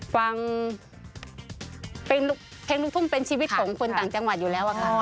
ฟังเพลงลูกทุ่งเป็นชีวิตของคนต่างจังหวัดอยู่แล้วอะค่ะ